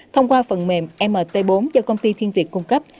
thông qua phần mềm mt bốn do công ty thiên việt cung cấp